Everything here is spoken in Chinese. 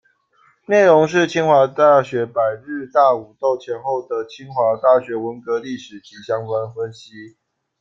内容是清华大学百日大武斗前后的清华大学文革历史及相关分析。